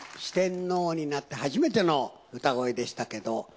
四天王になって初めての歌声でしたけど。